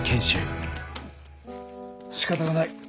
しかたがない。